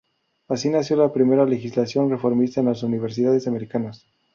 Así nació la primera legislación reformista en las universidades americanas.